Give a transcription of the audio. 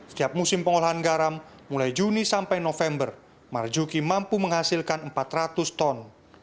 setiap musim pengolahan garam mulai juni sampai november marjuki mampu menghasilkan empat ratus ton